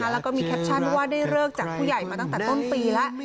แล้วก็มีแคปชั่นว่าได้เลิกจากผู้ใหญ่มาตั้งแต่ต้นปีแล้ว